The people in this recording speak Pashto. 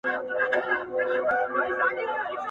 هره ورځ له قهره نه وو پړسېدلی !.